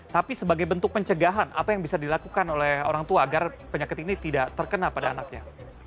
tapi sebagai bentuk pencegahan apa yang bisa dilakukan oleh orang tua agar penyakit ini tidak terkena pada anaknya